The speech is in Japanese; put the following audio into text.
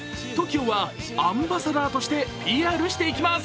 ＴＯＫＩＯはアンバサダーとしてＰＲしていきます。